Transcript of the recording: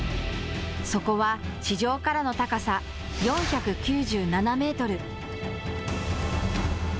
そこは、地上からの高さ４９７メートル。